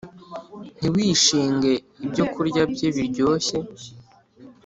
Ntiwishinge ibyo kurya bye biryoshye